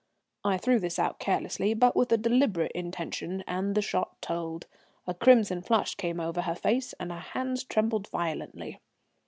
I threw this out carelessly but with deliberate intention, and the shot told. A crimson flush came over her face and her hands trembled violently.